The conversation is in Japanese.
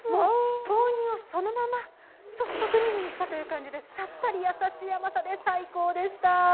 豆乳をそのままソフトクリームにしたという感じでさっぱり優しい甘さで最高でした。